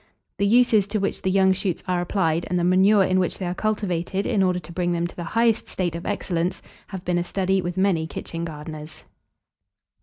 The uses to which the young shoots are applied, and the manure in which they are cultivated in order to bring them to the highest state of excellence, have been a study with many kitchen gardeners.